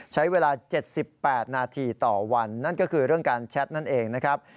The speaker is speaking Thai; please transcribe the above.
ใช้เวลา๗๘นาทีต่อวันนั่นก็คือเรื่องการแชทนั่นเองนะครับ